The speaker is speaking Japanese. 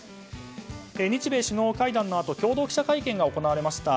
日米首脳会談のあと共同記者会見が行われました。